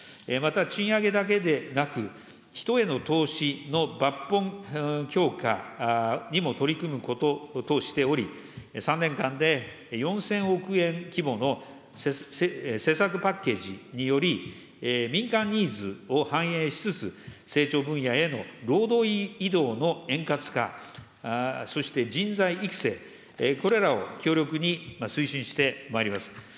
また賃上げだけでなく、人への投資の抜本強化にも取り組むこととしており、３年間で４０００億円規模の施策パッケージにより、民間ニーズを反映しつつ、成長分野への労働移動の円滑化、そして、人材育成、これらを強力に推進してまいります。